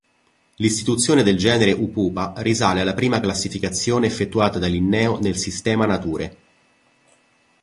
L'istituzione del genere "Upupa" risale alla prima classificazione effettuata da Linneo nel "Systema Naturae".